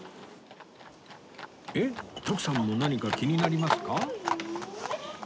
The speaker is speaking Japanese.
えっ徳さんも何か気になりますか？